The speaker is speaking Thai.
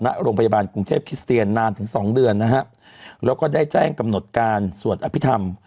ณโรงพยาบาลกรุงเทพคิสเตียนนานถึงสองเดือนนะฮะแล้วก็ได้แจ้งกำหนดการสวดอภิษฐรรม